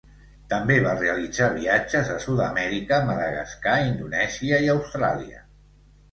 També va realitzar viatges a Sud-amèrica, Madagascar, Indonèsia i Austràlia.